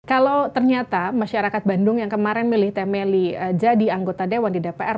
kalau ternyata masyarakat bandung yang kemarin milih temeli jadi anggota dewan di dpr